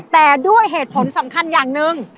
แต่ด้วยเหตุผลสำคัญอย่างหนึ่ง